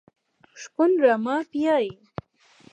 شپون رمه پیایي .